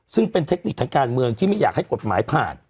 ซึ่งเป็นเทคนิคทางการเมืองที่ไม่อยากให้กฎหมายผ่าน